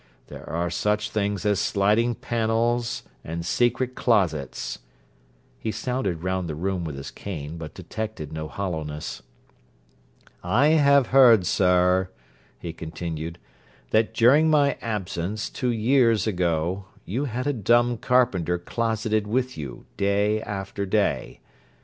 There are such things as sliding panels and secret closets.' He sounded round the room with his cane, but detected no hollowness. 'I have heard, sir,' he continued, 'that during my absence, two years ago, you had a dumb carpenter closeted with you day after day.